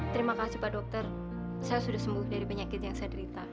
terima kasih pak dokter saya sudah sembuh dari penyakit yang saya derita